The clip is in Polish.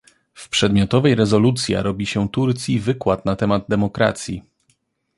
W przedmiotowej rezolucja robi się Turcji wykład na temat demokracji